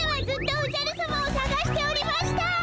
ずっとおじゃるさまをさがしておりました！